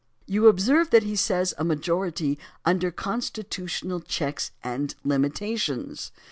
You observe that he says a majority under "con stitiitional checks and limitations."